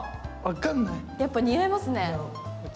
やっぱ似合いますね。